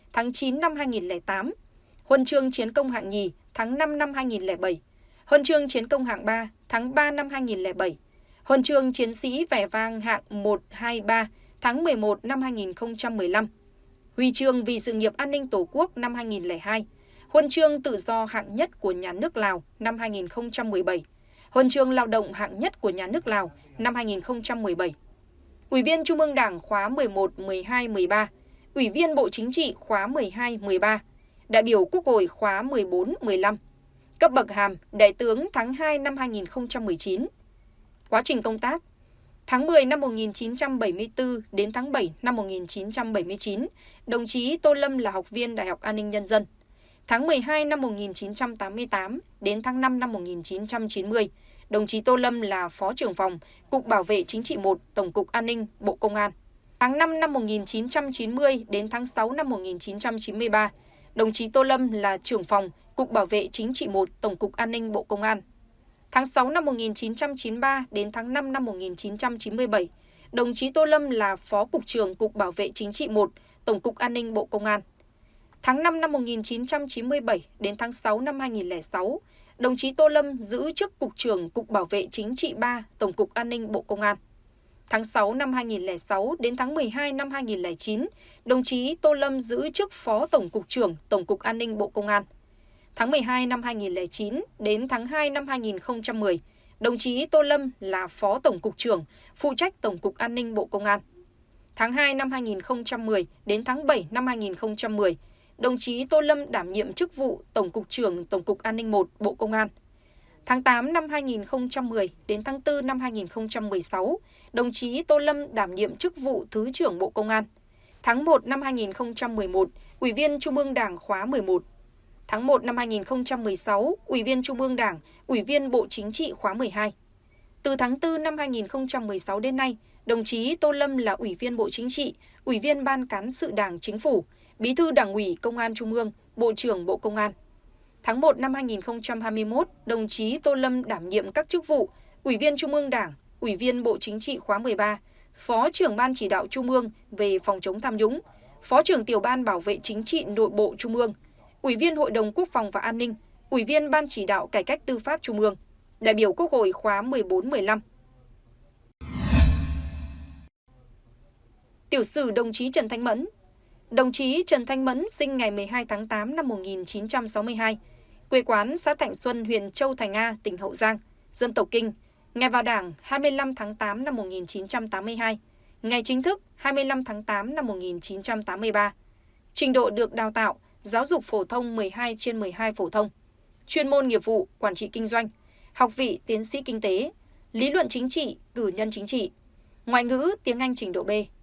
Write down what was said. đồng chí trần thanh mẫn sinh ngày một mươi hai tháng tám năm một nghìn chín trăm sáu mươi hai quê quán xã thạnh xuân huyện châu thành a tỉnh hậu giang dân tộc kinh nghe vào đảng hai mươi năm tháng tám năm một nghìn chín trăm tám mươi hai ngày chính thức hai mươi năm tháng tám năm một nghìn chín trăm tám mươi ba trình độ được đào tạo giáo dục phổ thông một mươi hai trên một mươi hai phổ thông chuyên môn nghiệp vụ quản trị kinh doanh học vị tiến sĩ kinh tế lý luận chính trị cử nhân chính trị ngoại ngữ tiếng anh trình độ b